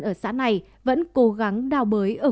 ở xã này vẫn cố gắng đào bới